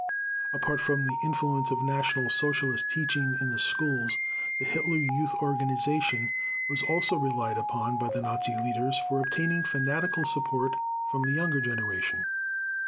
Apart from the influence of National Socialist teaching in the schools, the Hitler Youth Organization was also relied upon by the Nazi Leaders for obtaining fanatical support from the younger generation.